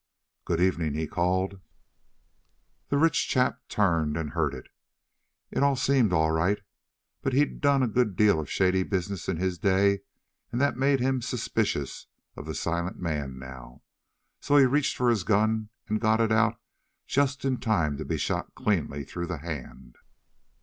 "'Good evening!' he called. "The rich chap turned and heard; it all seemed all right, but he'd done a good deal of shady business in his day, and that made him suspicious of the silent man now. So he reached for his gun and got it out just in time to be shot cleanly through the hand.